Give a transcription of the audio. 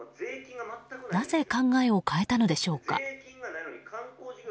なぜ考えを変えたのでしょうか。